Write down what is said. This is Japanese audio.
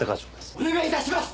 お願いいたします。